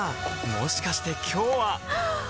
もしかして今日ははっ！